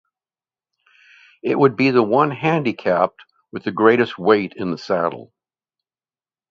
It would be the one handicapped with the greatest weight in the saddle.